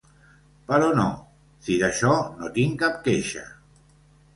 Però no, si d'això no tinc cap queixa.